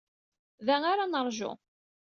Da ara neṛju.